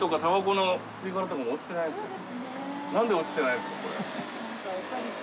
なんで落ちてないんですか？